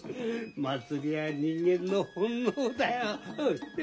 祭りは人間の本能だよ。